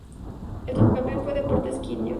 El subcampeón fue Deportes Quindío.